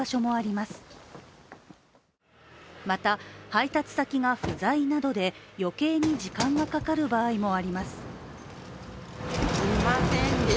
また配達先が不在などで余計に時間がかかる場合もあります。